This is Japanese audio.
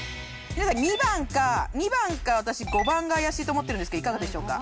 ２番か私５番が怪しいと思ってるんですけどいかがでしょうか？